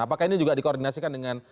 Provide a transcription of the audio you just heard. apakah ini juga dikoordinasikan dengan